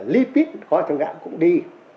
lipid có trong gã cũng đi